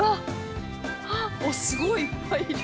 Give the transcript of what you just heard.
すごいいっぱいいる。